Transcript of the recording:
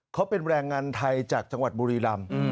เขาเป็นแรงงานไทยจากจังหวัดบุรีรำ